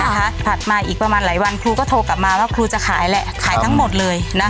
ถัดมาอีกประมาณหลายวันครูก็โทรกลับมาว่าครูจะขายแหละขายทั้งหมดเลย